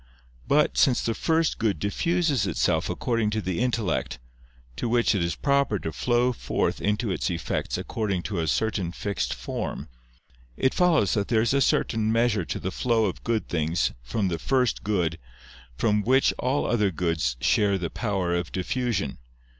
But, since the First Good diffuses itself according to the intellect, to which it is proper to flow forth into its effects according to a certain fixed form; it follows that there is a certain measure to the flow of good things from the First Good from Which all other goods share the power of diffusion.